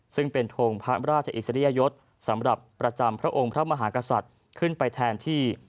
ซึ่งเป็นทงพระราชอิสริยยศสำหรับประจำพระองค์พระมหากษัตริย์ขึ้นไปแทนที่